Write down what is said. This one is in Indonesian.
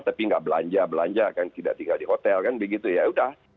tapi nggak belanja belanja kan tidak tinggal di hotel kan begitu ya udah